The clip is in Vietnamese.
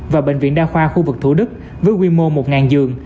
và bệnh viện đa khoa khu vực thủ đức với quy mô một giường